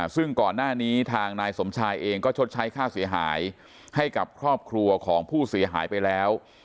ซึ่งก่อนหน้านี้ทางนายสมชายเองก็ชดใช้ค่าเสียหายให้กับครอบครัวของผู้เสียหายไปแล้ว